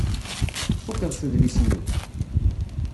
Tfukkeḍ s udlis-nni?